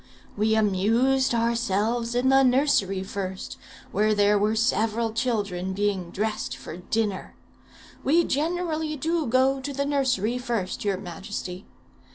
We amused ourselves in the nursery first, where there were several children being dressed for dinner. We generally do go to the nursery first, your majesty.